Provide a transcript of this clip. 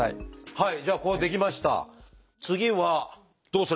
はい。